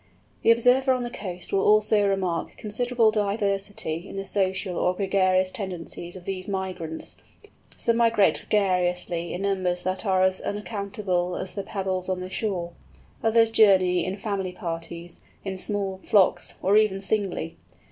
The observer on the coast will also remark considerable diversity in the social or gregarious tendencies of these migrants. Some migrate gregariously in numbers that are as uncountable as the pebbles on the shore; others journey in family parties, in small flocks, or even singly.